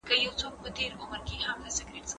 ماشوم لا هم په لیرې واټن کې لوبې کولې.